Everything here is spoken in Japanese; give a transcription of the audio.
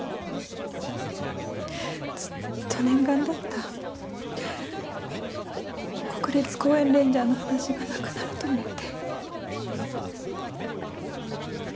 ずっと念願だった国立公園レンジャーの話がなくなると思って。